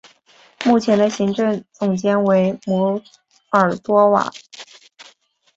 目前的行政总监为摩尔多瓦的。